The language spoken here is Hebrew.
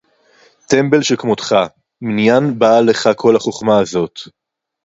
טֶמְבֶּל שֶׁכְּמוֹתְךָ, מִנַּיִן בָּאָה לְךָ כָּל הַחָכְמָה הַזֹּאת?